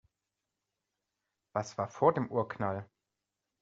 Was war vor dem Urknall?